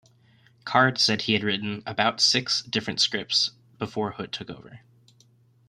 Card said he had written "about six" different scripts before Hood took over.